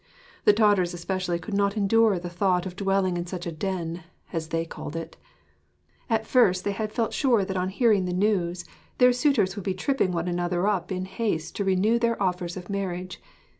The daughters especially could not endure the thought of dwelling in such a den (as they called it). At first they had felt sure that on hearing the news their suitors would be tripping one another up in haste to renew their offers of marriage.